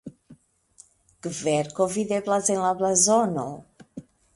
Kverko videblas en la blazono.